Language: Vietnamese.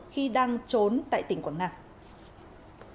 khi đang trốn tại tỉnh quảng nam